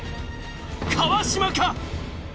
川島か？